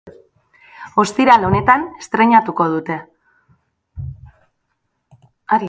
Ostiral honetan estreinatuko dute.